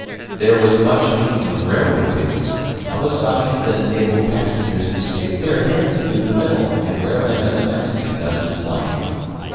There was much making of railway tickets, of a size that enabled passengers to stick their heads through the middle and wear them as a Mexican does his blanket.